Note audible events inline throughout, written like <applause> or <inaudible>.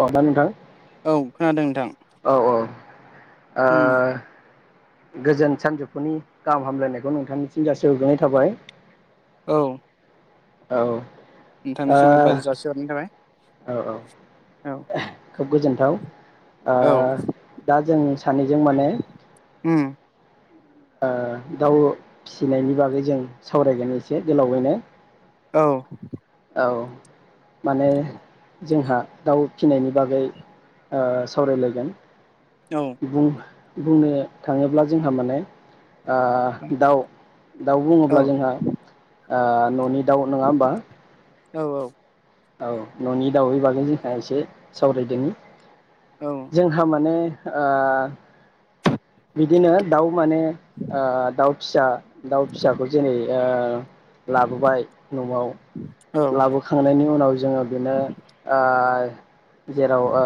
<unintelligible> नोंथां। औ खोनादों नोंथां औ औ ओ उम गोजोन सानजौफुनि गाहाम हामलायनायखौ नोंथांनिसिम जासिहरगोनाय थाबाय। औ औ नोंथांनिसिमबो बाजासिहरनाय थाबाय। औ औ औ खोब गोजोनथाव आ औ दा जों सानैजों माने उम ओ दाउ फिसिनायनि बागै जों सावरायगोन एसे गोलावैनो। औ औ माने जोंहा दाउ फिसिनायनि बागै ओ सावरायलायगोन। औ बुं बुंनो थाङोब्ला जोंहा माने आ दाउ दाउ औ बुङोब्ला जोंहा ओ न'नि दाउ नङा होमबा औ औ। औ न'नि दाउनि बागै जोंहा एसे सावरायदोनि। औ जोंहा माने ओ बिदिनो दाउ माने ओ दाउ फिसा दाउ फिसाखौ जेरै ओ लाबोबाय न'आव औ लाबोखांनायनि उनाव जोङो बेनो ओ जेराव ओ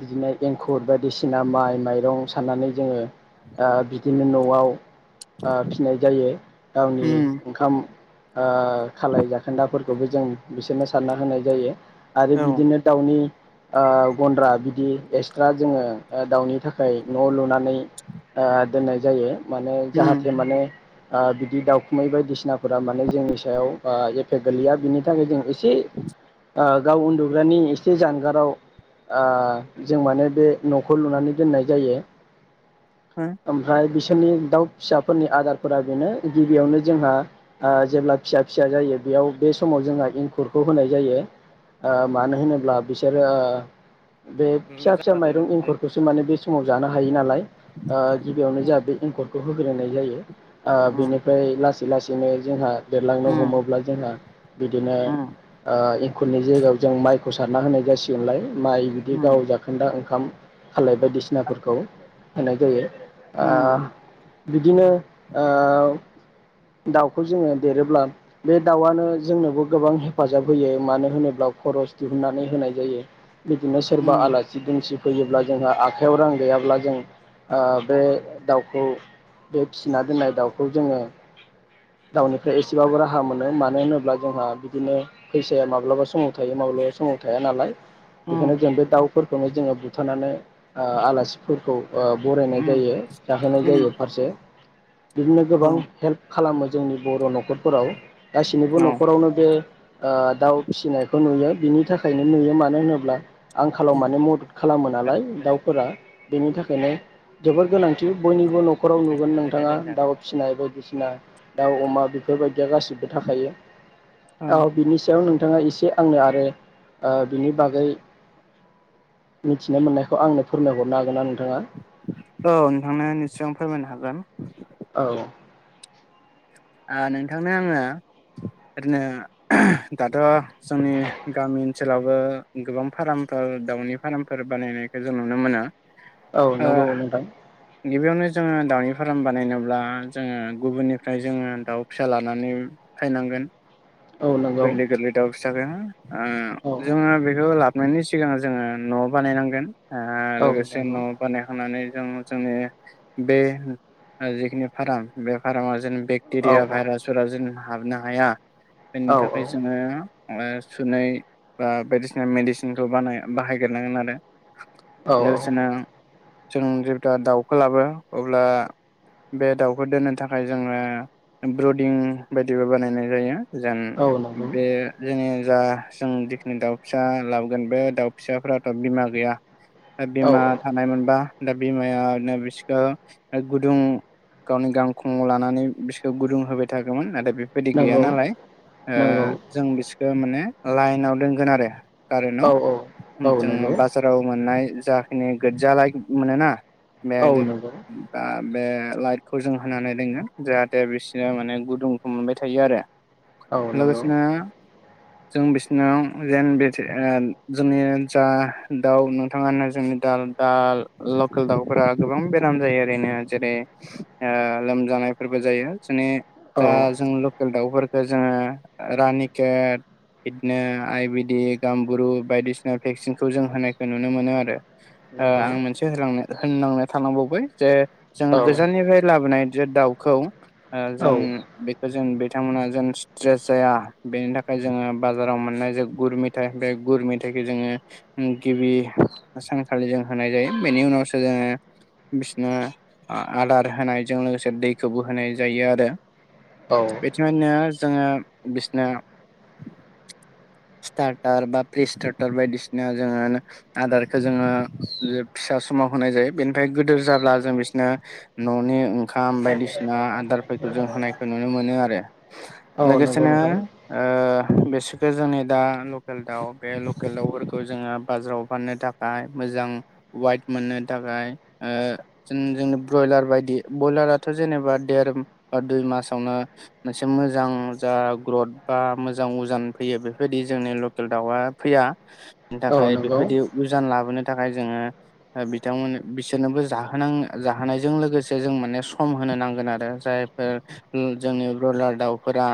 बिदिनो एंखुर बादिसिना माइ माइरं साननानै जोङो ओ बिदिनो न' आव ओ फिनाय जायो गावनि उम ओंखाम ओ खालाय जाखोन्दाफोर खौबो जों बिसोरनो सारना होनाय जायो । आरो औ बिदिनो दाउनि ओ गन्द्रा बिदि एक्सट्रा जोङो ओ दाउनि थाखाय न' लुनानै ओ दोननाय जायो । माने उम जाहाथे माने ओ बिदि दाउखुमै बायदिसिनाफोरा माने जोंनि सायाव ओ एफेक्ट गोलैया बिनि थाखाय जों इसे गाव उन्दुग्रानि इसे जानगाराव ओ जों माने बे न'खौ लुनानै दोननाय जायो । हो ओमफ्राय बिस सोरनि दाउ फिसाफोरनि आदारफोरा बेनो गिबियावनो जोंहा ओ जेब्ला फिसा फिसा जायो बेयाव बे समाव जोंहा एंखुरखौ होनाय जायो ओ मानो होनोब्ला बिसोरो ओ बे फिसा फिसा माइरं जालाबालाय एंखुरखौसो माने बे समाव जानो हायो नालाय ओ गिबियावनो जाआ उम बे एंखरखौ होग्रोनाय जायो ओ उम बेनिफ्राय लासै लासै नै जोंहा देरलांनो उम हमोब्ला जोंहा बिदिनो उम ओ एंखुरनि जायगायाव जों माइखौ सारना होनाय जासिगोनलाय माइ बिदि उम गाव जाखोन्दा ओंखाम खालाय बायदिसिनाफोरखौ होनाय जायो। आ उम बिदिनो ओ दाउखौ जोङो देरोब्ला बे दाउआनो जोंनोबो गोबां हेफाजाब होयो मानो होनोब्ला खरस दिहुननानै होनाय जायो। बिदिनो सोरबा उम आलासि दुमसि फैयोब्ला जोंहा आखाइयाव रां गैयाब्ला जों ओ बे दाउखौ बे फिसिना दोननाय दाउखौ जोङो दाउनिफ्राय एसेबाबो राहा मोनो मानो होनोब्ला जोंहा बिदिनो फैसाया माब्लाबा समाव थायो माब्लाबा समाव थाया नालाय। बेखायनो उम जों बे दाउ फोरखौनो जोङो बुथारनानै ओ आलासिफोरखौ ओ नाय उम जायो जाहोनाय जायो फारसे बिदिनो औ गोबां हेल्प खालामो जोंनि बर' न'खरफोराव गासैनिबो न'खरावनो बे ओ दाउ फिसिनायखौ नुयो बिनि थाखायनो नुयो मानो होनोब्ला आंखालाव माने मदद खालामो नालाय दाउफोरा बेनि थाखायनो जोबोर गोनांथि बयनि बो न'खराव नुगोन नोंथाङा दाउ फिसिनाय बायदिसि नाय दाउ अमा बेफोरबाय दिया गासिबो थाखायो औ बिनि सायाव नों थाङा एसे आंनो आरो ओ बिनि बागै मिथिनो मोननायखौ आंनो फोरमायहरनो हागोन ना नों थांङा औ नोंथांनो निसय आं फोरमायनो हागोन। औ आ नोंथांनो आङो ओरैनो दाथ' जोंनि गामि ओनसोलावबो गोबां फार्मफोर दाउनि फार्मफोर बानायनायखौ जों नुनो मोनो। औ ओ नंगौ नोंथां। गिबियावनो जोङो दाउनि फार्म बानायनोब्ला जोङो गुबुननिफ्राय जोङो दाउ फिसा लानानै फायनांगोन। औ नंगौ गोरलै गोरलै दाउ <unintelligible> ओ औ जोङो बेखौ लाब नायनि सिगां जोङो न'आव बानायनांगोन। ओ औ लोगोसे नंगौ न' बानायखानानै जों जोंनि बे ओ जिखिनि फार्म बे फार्मा जोंनि बे औ क्टेरिया औ भाइरासफोरा जोंनो हाबनो हाया। औ बेनि थाखाय औ जोङो ओ सुनै बा बायदिसिना मेडिसिनखौ बानाय बाहायग्रोनांगोन आरो। औ दसेनो जों जेब्ला दाउखौ लाबो अब्ला बे दाउखौ दोननो थाखाय जोङो ब्रदिं बायदिबो बानायनाय जायो। जों औ नंगौ बे जोंनि दा जों जिखिनि दाउ फिसा लाबोगोन बे दाउ फिसाफोराथ' बिमा गैया। औ बिमा औ थानायमोनबा दा बिमायानो बिसोरखौ गुदुं गावनि गांखं लानानै बिसोर गुदुं होबाय थागौमोन नाथाय बेबायदि गैया नंगौ नालाय ओ नंगौ जों बिसोरखो माने लाइनाव दोनगोन आरो औ कारेन्टाव औ औ जोङो नंगौ बाजाराव मोननाय जाखिनि गोज्जा लाइट मोनोना औ नंगौ <unintelligible> बे लाइटखौ जों होनानै दोनो जा हाते बिसोर माने गुदुंखौ मोनबाय थायो आरो। औ नंगौ लोगोसेनो जों बिसोरनाव जेन बे ओ जोंनि जा दाउ नोंथाङानो जोंनि दाल दा दाल लकेल दाउफोरा गोबां बेराम जायो ओरैनो जेरै ओ लोमजानायफोर बो जायो। माने जा औ जों लकेल दाउफोर ओ जोङो रानि केेट इदनो आयुरवेदिक गामबुरु बायदिसिना भेक्सिनखौ जों होनायखौ नुनो मोनो आरो। ओ नंगौ आं मोनसे होलांनो होननांनो थालांबावबाय। जों औ गोजाननिफ्राय लाबोनाय जे दाउ खौ ओ जों औ बेखौ जों बे बिथांमोना जों स्ट्रेस जाया बेनि थाखाय जोङो बाजाराव मोननाय जे गुर मेथाइ बे गुर मेथाइखौ जोङो गिबि सानखालि जों होनाय जायो बेनि उनावसो जोङो बिसोरनो आदार होनायजों लोगोसे दै बेखौबो होनाय जायो आरो। औ बेथिंहायनो जोङो बिसना स्टार्टार बा प्रिस्टार्टार बायदिसिना जोङो आदारखौ जोङो फिसा समाव होनाय जायो बेनिफ्राय गोदोर जाब्ला जों बिसोरनो न'नि खाम बायदि आ आदारफोरखौ जों होनायखौ नुनो मोनो आरो। औ नंगौ लोगोसेनो नोंथां ओ बिसखो जोंनि दा लकेल दाउ बे लकेल दाउफोरखौ जोङो बाजाराव फाननो थाखाय मोजां वाइट मोननो थाखाय ओ जों जोंनि ब्रयलार बायदि बयलाराथ' जेनेबा देर बा दुइ मासावनो मोनसे मोजां जा ग्रथ बा मोजां उजान फैयो बेफोरबायदि जोंनि लकेल दाउआ फैया बेनि औ थाखाय नंगौ बेफोरबायदि उजान लाबोनो थाखाय जोङो बिथांमोन बिसोरनोबो जाहोनां जाहोनायजों लोगोसे जों माने स खम होनो नांगोन आरो जायफोर जोंनि ब्रयलार दाउफोरा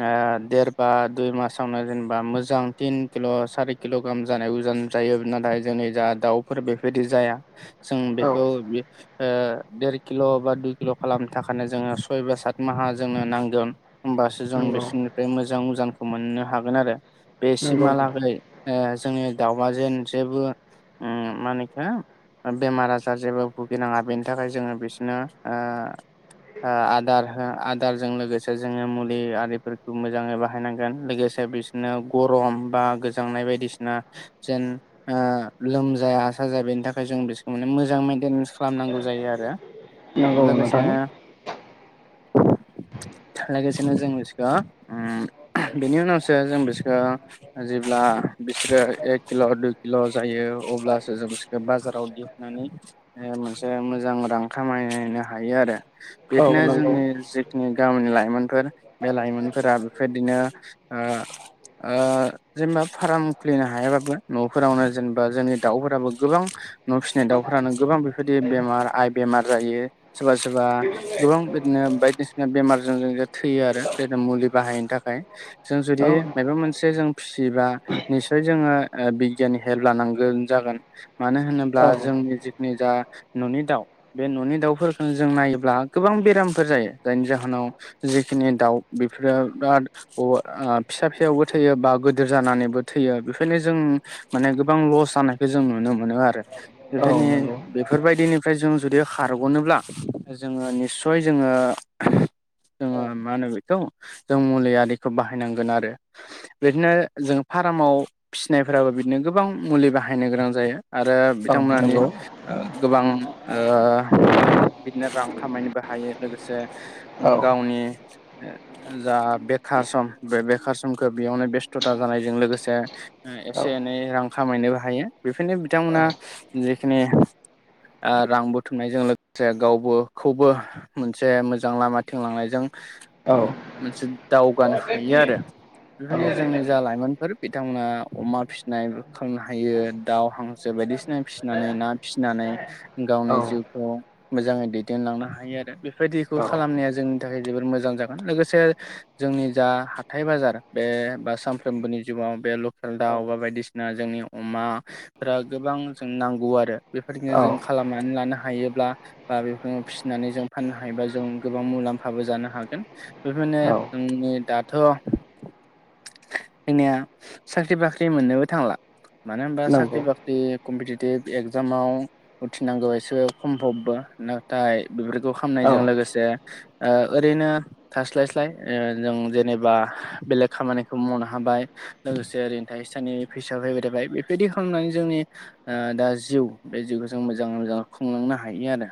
ओ देर बा दुइ मासावनो जेनेबा मोजां तिन किल' सारि किल' ग्राहाम जानाय उजन जायो नाथाय जोंनि जा दाउफोर बेफोरदि जाया जों औ बेखौ देर किल' बा दुइ किल' खालामनो थाखायनो जोङो सय बा सात माहा जोंनो नांगोन होमबासो जों नंगौ बिसोरनिफ्राय मोजां उजानखौ मोननो हागोन आरो नंगौ नोंथां बेसिमाहालागै ओ जोंनि दाउवाजेन जेबो उम मा होनो इखो बेमार आजार जेबो भुगिनाङा बेनि थाखाय जोङो बेसिनो ओ ओ आदार हो आदारजों लोगोसे जोङो मुलि आरिफोरखौ मोजाङै बाहायनांगोन लोगोसे बिसोरनो गरम बा गोजांनाय बायदिसिना जेन ओ लोमजाया साजाया बेनि थाखाय जों बिसोरखौ माने मोजां मइेनटेनेन्स खालामनांगौ जायो आरो। नंगौ नोंथां लोगोसेनो‌ लोगोसेनो जों बिसोरखौ उम बेनि उनावसो जों बिसोरखौ जेब्ला बिसोरो एक किल' दुइ किल' जायो अब्लासो जों बिसोरखौ बाजाराव दिहुननानै ओ मोनसे मोजां रां खामायनो हायो आरो। औ बिदिनो नंगौ जोंनि जि जोंनि गामिनि लाइमोनफोर बे लाइमोनफोरा बेफोरदिनो ओ ओ जेनेबा फाराम खुलिनो हायाबाबो न'फोरावनो जेनेबा जोंनि दाउफोराबो गोबां न' फिसिनाय दाउफोरानो गोबां बेफोरबायदि बेमार आय बेमार जायो सोरबा सोरबा गोबां बिदिनो बायदिसिना बेमारजों जों थैयो आरो मोजां मुलि बाहायिनि थाखाय जों औ जुदि मायबा मोनसे जों फिसियोबा निसय जोङो ओ बिगियाननि हेल्प लानांगोन जागोन। मानो होनोब्ला औ जोंनि जि निजा न'नि दाउ बे न'नि दाउफोरफोरखोनो जों नायोब्ला गोबां बेरामफोर जायो जायनि जाहोनाव जेखिनि दाउ बेफोरो बिराद अ फिसा फिसायावबो थैयो बा गोदोर जानानैबो थैयो बेफोरनो जों माने गोबां लस जानायखौ जों नुनो मोनो आरो। औ <unintelligible> नंगौ बेफोरबायदिनो फ्राय जों जुदि खारग'नोब्ला जोङो निस्सय जोङो जोङो औ मा होनो बेखौ जों मुलि आरिखौ बाहायनांगोन आरो बिदिनो जों फार्माव फिसिनायफोराबो बिदिनो गोबां मुलि बाहायनो गोनां जायो। आरो बिथांमोनानि नंगौ ओ गोबां ओ बिदिनो रां खामायनोबो हायो। लोगोसे औ औ उम गावनि जा बेखार सम बे बेखार समखो बेयावनो बेस्थ'था जानायजों लोगोसे औ एसे एनै रां खामायनोबो हायो बेखायनो औ बिथांमोना जिखिनि ओ रां बुथुमनायजों लोगोसे गावबो खौबो मोनसे मोजां लामाथिं लांनायजों औ मोनसे दाव गानो हायो आरो। बेफोरनि जोंनि जा लाइमोनफोर बिथांमोना अमा फिनाय खालामनो हायो दाउ हांसो बायदिसिना फिनानै ना फिनानै औ गावनि जिउखौ मोजाङै दैदेनलांनो हायो आरो बेफोरबायदिखौ खालामनाया जोंनि थाखाय जोबोर मोजां जागोन लोगोसे जोंनि जा हाथाइ बाजार बे बा सामफ्रोमबोनि जिउआव बे लकेल दाउ बा बायदिसिना जोंनि अमाफोरा गोबां जों नांगौ आरो बेफोरदिनो जों खालामनानै लानो हायोब्ला बा बेफोरखौ फिनानै जों फाननो हायोब्ला जों गोबां मुलाम्फाबो जानो हागोन बेफोरनो जोंनि दाथ' जोंनिया साख्रि बाख्रि मोननोबो थांला मानो होनबा नंगौ साख्रि बाख्रि कमपिटिटिभ एगजामाव उथ्रिनांगौआ‌ एसे खमफबबो नाथाय बेफोरखो' खामनायजों औ लोगोसे ओ ओरैनो थास्लाय स्लाय ओ जों जेनेबा बेलेग खामानिखौ मावनो हाबाय लोगोसे ओरैनो थाइसे थाइनै फैसाब फैबाय थाबाय बेफोरबायदि खालामनानै जोंनि दा जिउ बे जिउखौ जों मोजाङै मोजां खुंलांनो हायो आरो।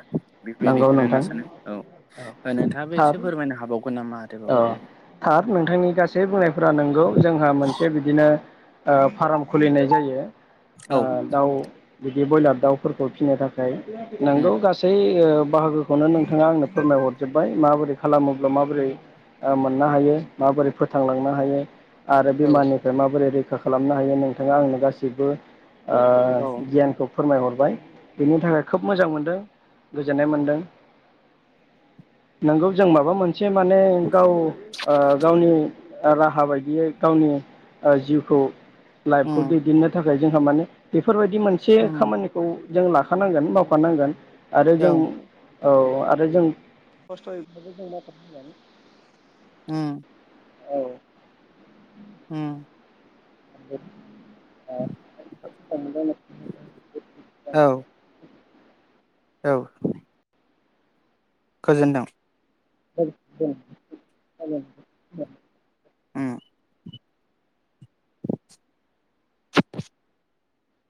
नंगौ बेफोरबायदिखोनो होनना नोंथां सानो औ। <inaudible> थार एसे फोरमायनो हाबावगोन नामा आरोबाव औ ओरैनो थार नोंथांनि गासै बुंनायफोरा नोंगौ जोंहा मोनसे बिदिनो ओ फाराम खुलिनाय जायो। ओ औ दाउ बिद बे बयलार दाउफोरखौ फिसिनो थाखाय नोंगौ उम गासै ओ बाहागोखौनो नों थाङा आंनो फोरमाय हरजोब माबोरै खालामोब्ला माबोरै मोननो हायो माबोरै फोथांलांनो हायो। आरो औ बिमारनिफ्राय माबोरै रै रोखा खालामनो हायो नोंथाङा आंनो गाैसैबो ओ औ गियानखौ फोरमायहरबाय बेनि थाखाय खोब मोजां मोनदों गोजोननाय मोनदों नोंगौ जों माबा मोन से माने गाव ओ गावनि राहा बायदियै गावनि ओ जिउखौ उम लाइफखौ दैदेननो थाख जोंहा माने बेफोरबायदि मोनसे उम खामानिखौ जों लाखानांगोन मावफानांगोन आरो औ जों औ आरो जों खस्थ'यै <unintelligible> उम औ। उम <inaudible> औ <inaudible> औ। गोजोन्दों <unintelligible> उम